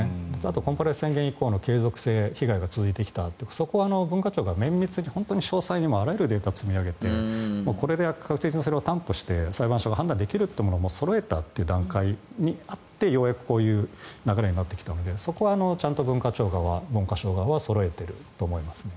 コンプライアンス宣言以降の継続性、被害が続いてきた文化庁が丁寧に証拠を積み上げてきてこれで担保して裁判所が判断できるとそろえたという段階にあってようやくこういう流れになってきたのでそこはちゃんと文化庁側文科省側はそろえていると思います。